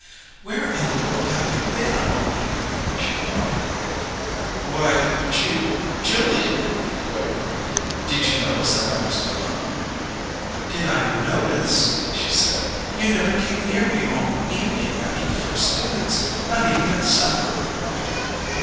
"Where in the world have you been all evening?" she cried. "Why, Jew Julia!" he quavered. "Did you notice that I was gone?" "Did I 'notice'!" she said. "You never came near me all evening after the first dance! Not even at supper!"